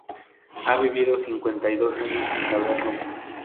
He vivido cincuenta y dos años sin saberlo.